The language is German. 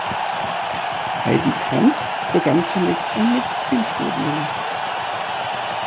Heidi Kranz begann zunächst ein Medizinstudium.